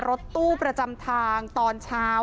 รถตู้ประจำทางตอนเช้า